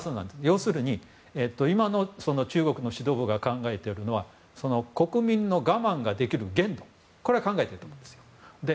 要するに、今の中国の指導部が考えているのは国民の我慢ができる限度は考えてると思うんですよ。